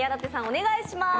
お願いします。